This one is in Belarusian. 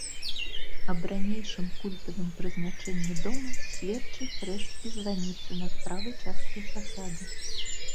Аб ранейшым культавым прызначэнні дома сведчаць рэшткі званіцы над правай часткай фасада.